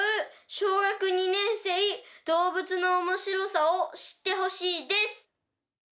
小学２年生動物のおもしろさを知ってほしいです！